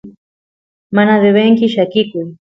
mana devenki llakikuy